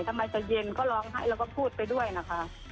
ทำไมจะเย็นก็ร้องไห้แล้วก็พูดไปด้วยนะคะ